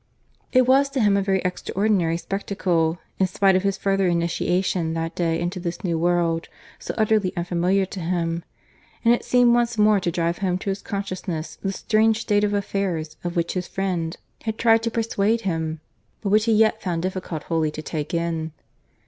It was to him a very extraordinary spectacle, in spite of his further initiation that day into this new world, so utterly unfamiliar to him; and it seemed once more to drive home to his consciousness this strange state of affairs of which his friend had tried to persuade him, but which he yet found difficult wholly to take in.